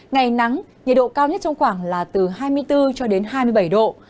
ngày nắng nhiệt độ cao nhất trong khoảng là từ hai mươi bốn cho đến hai mươi bảy độ